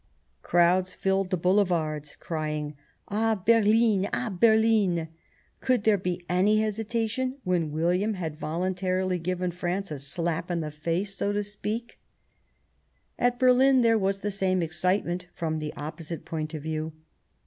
Crowds filled the Boulevards crying, " A Berlin ! a Berlin !" Could there be any hesitation when William had voluntarily given France a slap in the face, so to speak ? I 129 Bismarck At Berlin there was the same excitement from the opposite point of view.